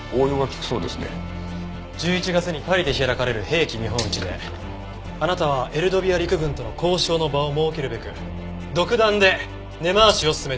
１１月にパリで開かれる兵器見本市であなたはエルドビア陸軍との交渉の場を設けるべく独断で根回しを進めていた。